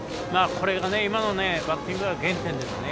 これが今のバッティングの原点ですね。